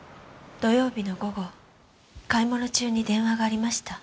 土曜日の午後買い物中に電話がありました。